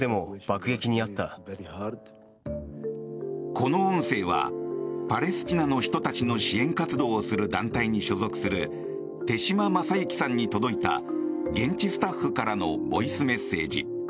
この音声はパレスチナの人たちの支援活動をする団体に所属する手島正之さんに届いた現地スタッフからのボイスメッセージ。